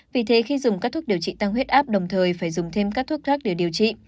vì thế khi dùng các thuốc điều trị tăng huyết áp đồng thời phải dùng thêm các thuốc thoát để điều trị